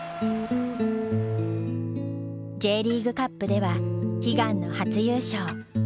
Ｊリーグカップでは悲願の初優勝。